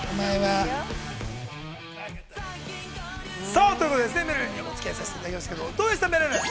◆さあ、ということで、めるるにおつき合いさせていただきましたけども、どうでした、めるる。